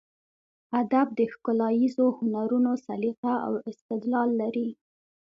ادب د ښکلاییزو هنرونو سلیقه او استدلال لري.